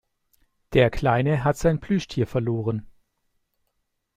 Der Kleine hat sein Plüschtier verloren.